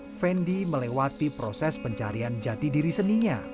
effendi melewati proses pencarian jati diri seninya